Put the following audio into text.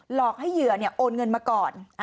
หลอกให้เหยื่อโอนเงินมาก่อน